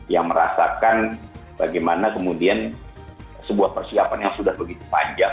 yang merasakan bagaimana kemudian sebuah persiapan yang sudah begitu panjang